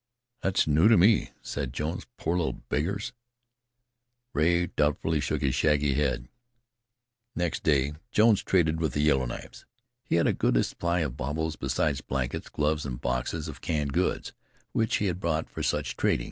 "That's new to me," said Jones. "Poor little beggars!" Rea doubtfully shook his shaggy head. Next day Jones traded with the Yellow Knives. He had a goodly supply of baubles, besides blankets, gloves and boxes of canned goods, which he had brought for such trading.